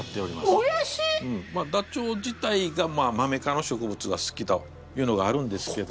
ダチョウ自体がマメ科の植物が好きだというのがあるんですけど。